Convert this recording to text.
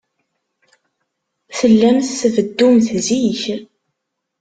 Tellamt tbeddumt zik.